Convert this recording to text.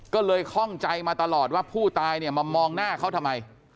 ก็เลยคล่องใจมาตลอดว่าผู้ตายเนี่ยมามองหน้าเขาทำไม